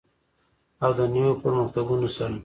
او د نویو پرمختګونو سره.